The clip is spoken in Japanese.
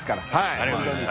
ありがとうございます。